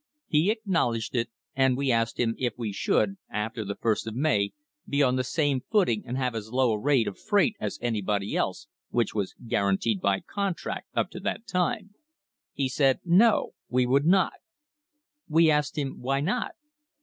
He acknowledged it, and we asked him if we should, after the first of May, be on the same footing and have as low a rate of freight as anybody else, which was guaranteed by contract up to that time. He said no, we would not. We asked him why not.